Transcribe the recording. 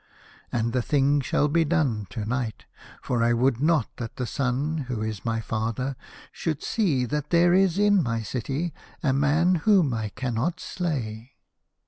And the thing shall be done to night, for I would not that the Sun, who is my father, should 106 The Fisherman and his Soul . see that there is in my city a man whom I cannot slay.